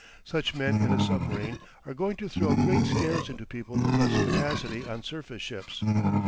Such men in a submarine are going to throw great scares into people of less capacity on surface ships.